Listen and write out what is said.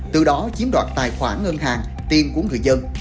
từ đó chiếm đoạt tài khoản ngân hàng tiền của người dân